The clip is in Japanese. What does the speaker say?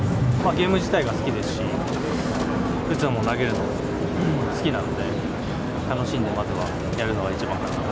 ゲーム自体が好きですし、打つのも投げるのも好きなので、楽しんでまずはやるのが一番かなと。